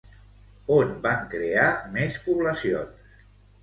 On van crear més poblacions?